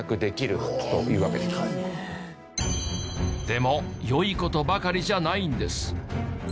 でも良い事ばかりじゃないんです。